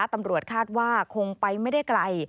ตำรวจคาดว่าคงไปไม่ได้ไกล